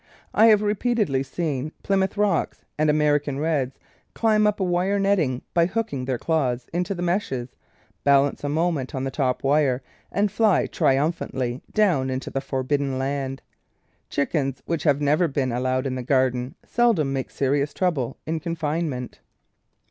I have repeatedly seen Plymouth Rocks and American Reds climb up a wire netting by hooking their claws into the meshes, balance a moment on the top wire, and fly triumphantly down into the for bidden land. Chickens which have never been al lowed in the garden seldom make serious trouble in confinement.